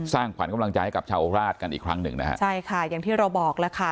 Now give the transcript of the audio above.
สร้างขวรกำลังใจกับชาวโรคราชกันอีกครั้งหนึ่งนะใช่ค่ะอย่างที่เราบอกแล้วคะ